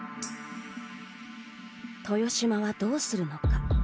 豊島は、どうするのか？